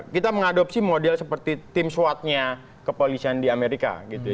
kita mengadopsi model seperti tim swatnya kepolisian di amerika gitu ya